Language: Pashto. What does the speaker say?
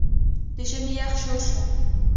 د ژمي يخ شورو شو